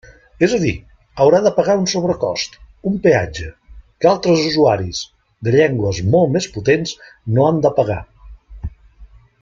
És a dir, haurà de pagar un sobrecost, un peatge, que altres usuaris de llengües molt més potents no han de pagar.